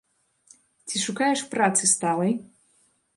Ці шукаеш працы сталай?